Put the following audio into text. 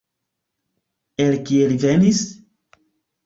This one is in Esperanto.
El kie li venis?